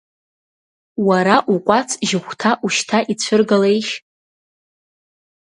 Уара укәац жьыхәҭа ушьҭа ицәыргалеишь.